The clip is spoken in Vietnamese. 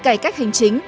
cải cách hành chính